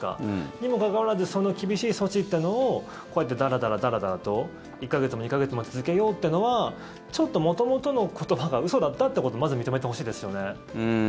にもかかわらずその厳しい措置っていうのをこうやってだらだら、だらだらと１か月も、２か月も続けようってのは元々の言葉が嘘だったってことをまず認めてほしいですよね。